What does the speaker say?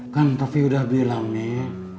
kan taufik udah bilang nih